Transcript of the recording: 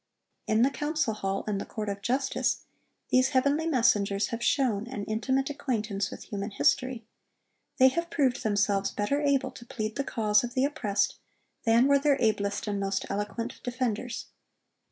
In the council hall and the court of justice, these heavenly messengers have shown an intimate acquaintance with human history; they have proved themselves better able to plead the cause of the oppressed than were their ablest and most eloquent defenders.